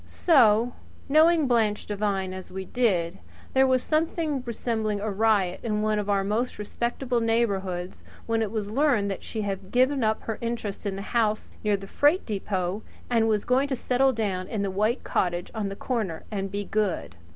So, knowing Blanche Devine as we did, there was something resembling a riot in one of our most respectable neighbourhoods when it was learned that she had given up her interest in the house near the freight depot and was going to settle down in the white cottage on the corner and be good.